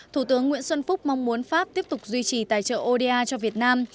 thủ tướng nguyễn xuân phúc mong muốn pháp tiếp tục duy trì tài trợ oda cho việt nam